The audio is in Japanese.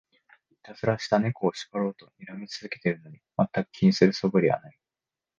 いたずらした猫を叱ろうとにらみ続けてるのに、まったく気にする素振りはない